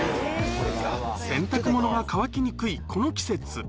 洗濯物が乾きにくいこの季節。